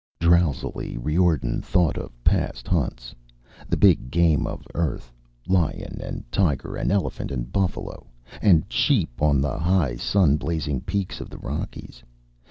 _ Drowsily, Riordan thought of past hunts. The big game of Earth, lion and tiger and elephant and buffalo and sheep on the high sun blazing peaks of the Rockies.